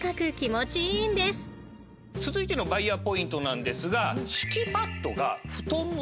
続いてのバイヤーポイントなんですが。